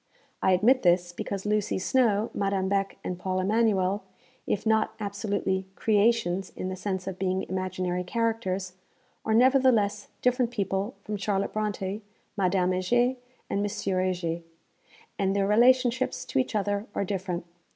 I admit this, because Lucy Snowe, Madame Beck and Paul Emanuel, if not absolutely 'creations,' in the sense of being imaginary characters, are nevertheless different people from Charlotte Brontë, Madame Heger and Monsieur Heger, and their relationships to each other are different.